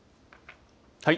はい。